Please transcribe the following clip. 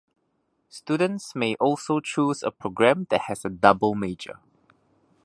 Students may also choose a program that has a double major.